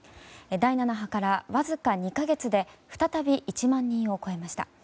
第７波から、わずか２か月で再び１万人を超えました。